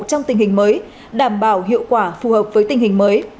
trong tình hình mới đảm bảo hiệu quả phù hợp với tình hình mới